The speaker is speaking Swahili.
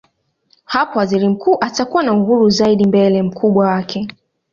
Hapo waziri mkuu atakuwa na uhuru zaidi mbele mkubwa wake.